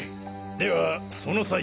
ではその際。